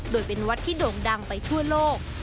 โดยเป็นวัดที่โด่งดังไปทั่วโลก